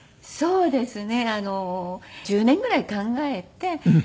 そうですね。